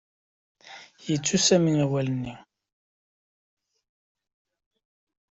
Yettu Sami awal-nni.